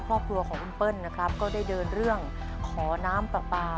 ครอบครัวของคุณเปิ้ลนะครับก็ได้เดินเรื่องขอน้ำปลาปลา